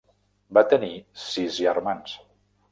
Va tenir sis germans.